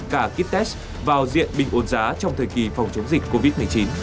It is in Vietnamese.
cả kit test vào diện bình ồn giá trong thời kỳ phòng chống dịch covid một mươi chín